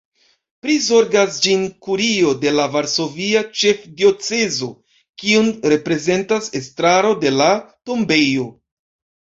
Prizorgas ĝin Kurio de la Varsovia Ĉefdiocezo, kiun reprezentas estraro de la tombejo.